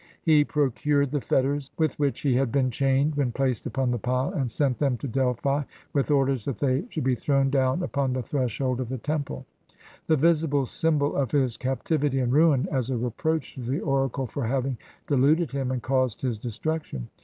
He procured the fetters with which he had been chained when placed upon the pile, and sent them to Delphi, with orders that they should be thrown down upon the threshold of the temple — the visible symbol of his captivity and ruin — as a reproach to the oracle for having deluded him and caused his destruction.